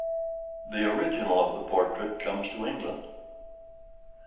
THE ORIGINAL OF THE PORTRAIT COMES TO ENGLAND.